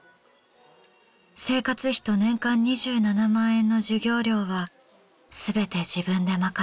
生活費と年間２７万円の授業料は全て自分で賄います。